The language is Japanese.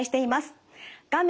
画面